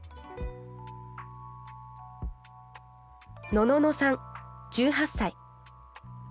のののさん１８歳。